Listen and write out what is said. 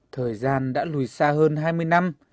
thời gian đã lùi xa hơn hai mươi năm